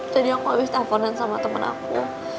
aku habis teleponan sama temen aku